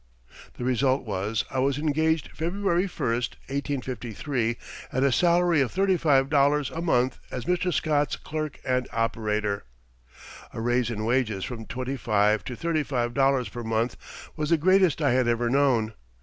The result was I was engaged February 1, 1853, at a salary of thirty five dollars a month as Mr. Scott's clerk and operator. A raise in wages from twenty five to thirty five dollars per month was the greatest I had ever known.